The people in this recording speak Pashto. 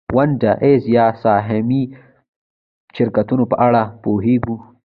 د ونډه ایز یا سهامي شرکتونو په اړه پوهېږو